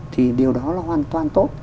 thì điều đó là hoàn toàn tốt